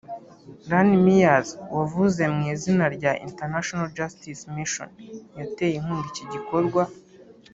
Lan Mears wavuze mu izina rya International Justice Mission yateye inkunga iki gikorwa